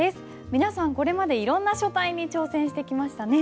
皆さんこれまでいろんな書体に挑戦してきましたね。